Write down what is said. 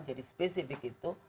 jadi spesifik itu